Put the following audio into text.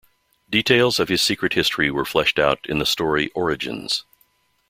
Details of his secret history were fleshed out in the story "Origins".